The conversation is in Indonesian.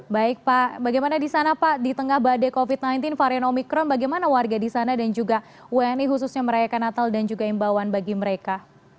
baik pak bagaimana di sana pak di tengah badai covid sembilan belas varian omikron bagaimana warga di sana dan juga wni khususnya merayakan natal dan juga imbauan bagi mereka